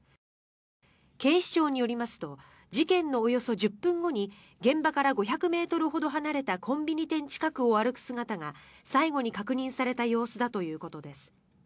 警視庁によりますと事件のおよそ１０分後に現場から５００ｍほど離れたコンビニ店近くを歩く姿が最後に確認された様子だということです。